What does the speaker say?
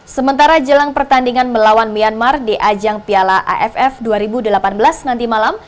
sementara jelang pertandingan melawan myanmar di ajang piala aff dua ribu delapan belas nanti malam